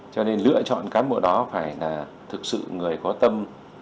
cho nên lựa chọn cán bộ đó phải là thực sự người có tâm